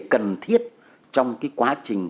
cần thiết trong quá trình